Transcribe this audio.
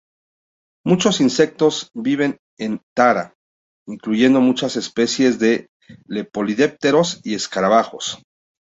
Muchos insectos s viven en Tara, incluyendo muchas especies de Lepidópteros y escarabajos.